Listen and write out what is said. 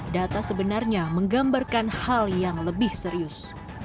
data sebenarnya menggambarkan hal yang lebih serius